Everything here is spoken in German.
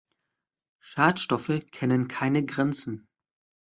Schadstoffe kennen keine Grenzen.